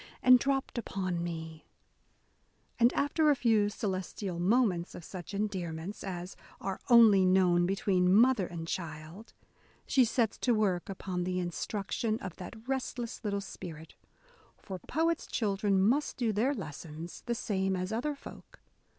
And dropt upon me, — and, after a few celestial moments of such endearments as are only known between mother and child, she sets to work upon the instruction of that restless little spirit : for poets' children must do their lessons, the same as other folk.